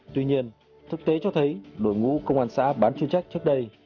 tuy nhiên thực tế cho thấy đội ngũ công an xã bán chuyên trách trước đây